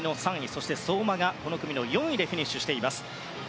そして相馬がこの組の４位でフィニッシュしています。